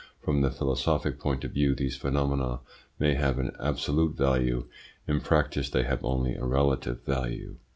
From the philosophic point of view these phenomena may have an absolute value; in practice they have only a relative value.